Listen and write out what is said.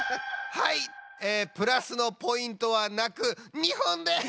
はいえプラスのポイントはなく２ほんです！